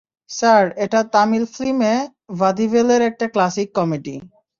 Sir, এটা তামিল ফিল্মে ভাদিভেলের একটা ক্লাসিক কমেডি।